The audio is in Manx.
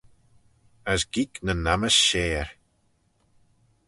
As geeck nyn ammys share.